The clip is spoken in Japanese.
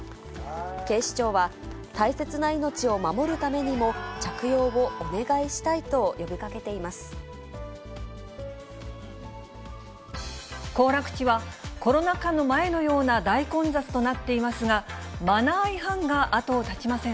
警視庁は、大切な命を守るためにも、着用をお願いしたいと呼びか行楽地は、コロナ禍の前のような大混雑となっていますが、マナー違反が後を絶ちません。